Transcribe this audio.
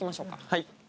はい。